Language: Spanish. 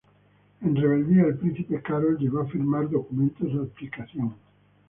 En rebeldía el príncipe Carol llegó a firmar documentos de abdicación.